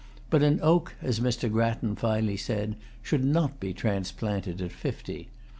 But an oak, as Mr. Grattan finely said, should not be transplanted at fifty.